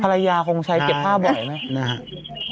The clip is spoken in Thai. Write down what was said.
ภรรยาคงใช้เก็บผ้าบ่อยมั้ยนะครับโอ้ฮืมนะครับ